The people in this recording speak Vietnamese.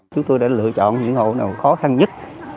chúng tôi đã lựa chọn những hộ nào khó khăn nhất